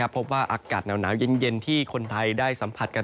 พบว่าอากาศหนาวเย็นที่คนไทยได้สัมผัสกัน